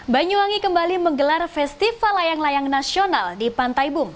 banyuwangi kembali menggelar festival layang layang nasional di pantai bum